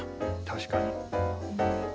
確かに。